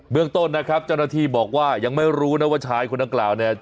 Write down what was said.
เมืองต้นนะครับเจ้าหน้าที่บอกว่ายังไม่รู้นะว่าชายคนดังกล่าวเนี่ย